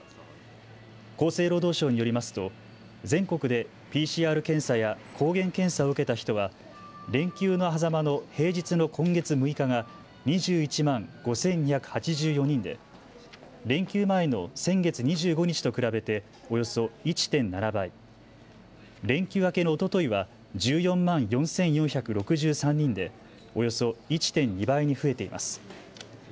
厚生労働省によりますと全国でＰＣＲ検査や抗原検査を受けた人は連休のはざまの平日の今月６日が２１万５２８４人で連休前の先月２５日と比べておよそ１．７倍、連休明けのおとといは１４万４４６３人でおよそ１．２倍に増えています。